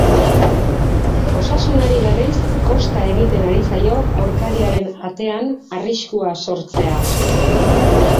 Osasunari, berriz, kosta egiten ari zaio aurkariaren atean arriskua sortzea.